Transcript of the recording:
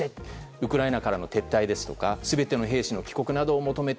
ウクライナからの撤退ですとか全ての兵士の帰国などを求めて